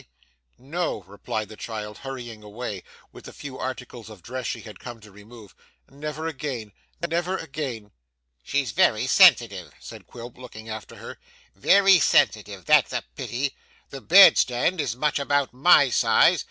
'No,' replied the child, hurrying away, with the few articles of dress she had come to remove; 'never again! Never again.' 'She's very sensitive,' said Quilp, looking after her. 'Very sensitive; that's a pity. The bedstead is much about my size.